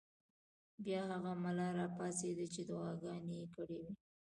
بیا هغه ملا راپاڅېد چې دعاګانې یې کړې وې.